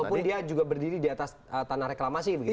walaupun dia juga berdiri di atas tanah reklamasi begitu